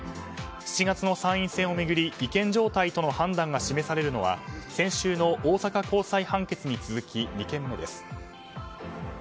７月の参院選を巡り違憲状態との判断が示されるのは先週の大阪高裁判決に続き２件目です。